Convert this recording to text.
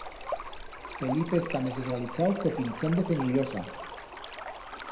Felipe está mes esgalichau que o pinchán de Fenillosa.